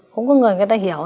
cũng có người người ta hiểu